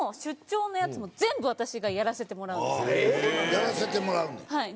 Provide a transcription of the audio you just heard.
やらせてもらうねや。